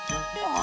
あ。